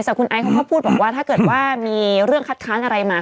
แต่คุณไอซ์เขาก็พูดบอกว่าถ้าเกิดว่ามีเรื่องคัดค้านอะไรมา